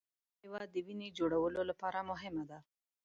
دا مېوه د وینې جوړولو لپاره مهمه ده.